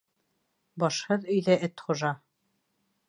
Башһыҙ өйҙә эт хужа.